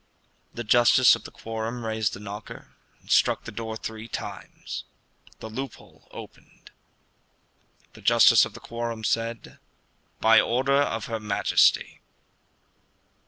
The justice of the quorum raised the knocker, and struck the door three times. The loophole opened. The justice of the quorum said, "By order of her Majesty."